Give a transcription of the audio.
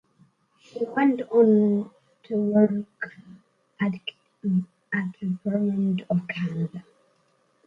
She went on to work at the Parliament of Canada.